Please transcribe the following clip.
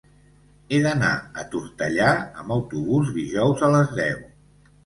He d'anar a Tortellà amb autobús dijous a les deu.